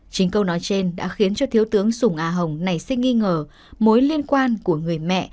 chính câu nói trên đã khiến cho thiếu tướng sùng a hồng nảy sinh nghi ngờ mối liên quan của người mẹ